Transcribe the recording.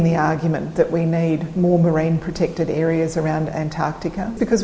bahwa kita butuh lebih banyak kawasan yang diperlindungi dari marina di antarabangsa